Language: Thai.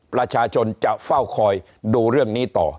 ประชาชนจะเฝ้าคอยดูเรื่องนี้ต่อ